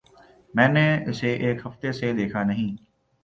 میں نے اسے ایک ہفتے سے دیکھا نہیں۔